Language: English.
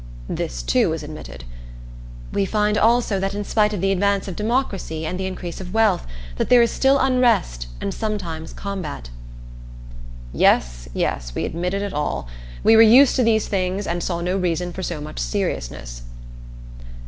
This too was admitted. "We find also that in spite of the advance of democracy and the increase of wealth, that there is still unrest and sometimes combat." Yes, yes, we admitted it all. We were used to these things and saw no reason for so much seriousness.